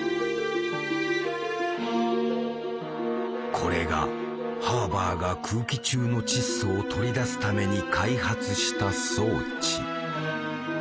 これがハーバーが空気中の窒素を取り出すために開発した装置。